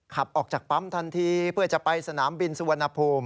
ขับออกจากปั๊มทันทีเพื่อจะไปสนามบินสุวรรณภูมิ